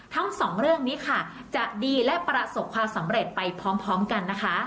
ทั้งสองเรื่องนี้ค่ะจะดีและประสบความสำเร็จไปพร้อมกันนะคะ